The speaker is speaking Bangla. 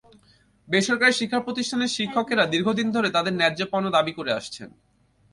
বেসরকারি শিক্ষাপ্রতিষ্ঠানের শিক্ষকেরা দীর্ঘদিন ধরে তাঁদের ন্যায্য পাওনা দাবি করে আসছেন।